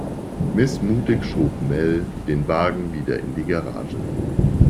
Missmutig schob Mel den Wagen wieder in die Garage.